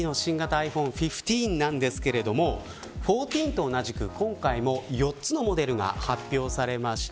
ｉＰｈｏｎｅ１５なんですが１４と同じく今回も４つのモデルが発表されました。